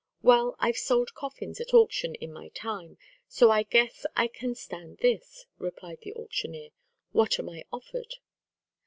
"Well, I've sold coffins at auction in my time, so I guess I can stand this," replied the auctioneer. "What am I offered?"